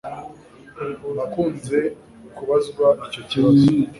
Nakunze kubazwa icyo kibazo